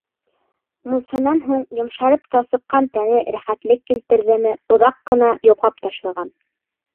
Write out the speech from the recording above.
Мунсанан һуң йомшарып талсыҡҡан тәне рәхәтлек килтерҙеме, оҙаҡ ҡына йоҡлап ташлаған.